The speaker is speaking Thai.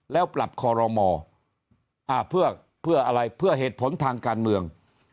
แล้วปรับคอรมอเพื่ออะไรเพื่อเหตุผลทางการเมือง